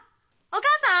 お父さん？